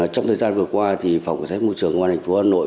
trong thời gian vừa qua phòng cơ sở môi trường ngoan hành phố hà nội